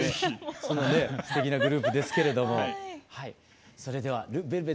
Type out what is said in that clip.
すてきなグループですけれどもはい。